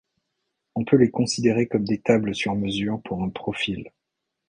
On peut les considérer comme des tables sur-mesure pour un profil.